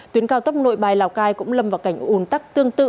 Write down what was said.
tuyến cao tốc nội bài lào cai cũng lâm vào cảnh ủn tắc tương tự